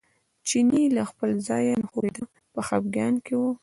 چینی له خپل ځایه نه ښورېده په خپګان کې و.